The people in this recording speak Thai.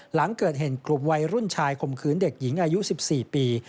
หลังเกิดเหตุกลุ่มวัยรุ่นชายข่มขืนเด็กหญิงอายุ๑๔ปี